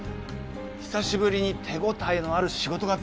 久しぶりに手応えのある仕事ができました。